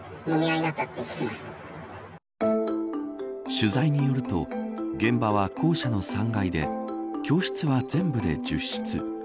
取材によると現場は校舎の３階で教室は全部で１０室。